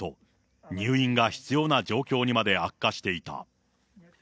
入院が必要な状況にまで悪化していた。